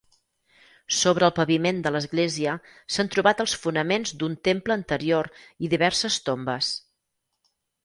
Sobre el paviment de l'església s'han trobat els fonaments d'un temple anterior i diverses tombes.